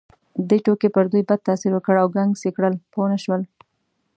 دې ټوکې پر دوی بد تاثیر وکړ او ګنګس یې کړل، پوه نه شول.